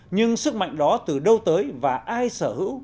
nhưng sức mạnh đó từ đâu tới và ai sở hữu